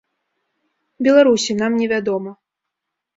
Беларусі, нам не вядома.